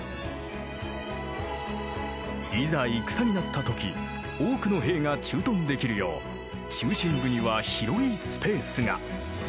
いざ戦になった時多くの兵が駐屯できるよう中心部には広いスペースが。